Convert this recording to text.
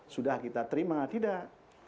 sudah kita terima tidak